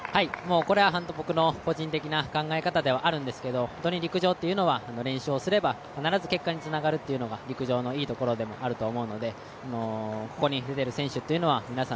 これは僕の個人的な考え方ではあるんですけど、陸上というのは練習をすれば必ず結果につながるのが陸上のいいところでもあると思うのでここに出てる選手は皆さん